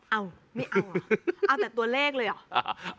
เอาไม่เอาเอาแต่ตัวเลขเลยเหรอ